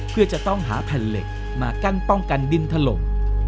เพื่อจะต้องหาแผ่นเหล็กมากั้นป้องกันดินถล่ม